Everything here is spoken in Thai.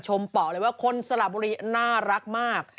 เปาะเลยว่าคนสละบุรีน่ารักมาก